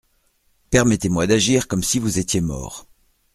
Permettez-moi d'agir comme si vous étiez mort.